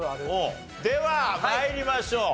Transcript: では参りましょう。